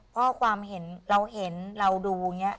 เพราะความเห็นเราเห็นเราดู